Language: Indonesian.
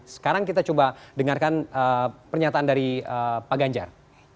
sekarang kita coba dengarkan pernyataan dari pak ganjar